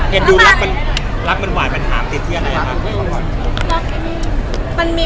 เห็นดูรักมันหวายปัญหาติดที่อะไรคะ